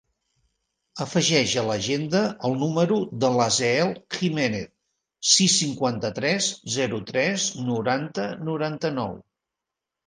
Afegeix a l'agenda el número de l'Aseel Gimenez: sis, cinquanta-tres, zero, tres, noranta, noranta-nou.